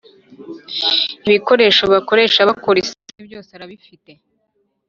Ibikoresho bakoresha bakora isabune byose arabifite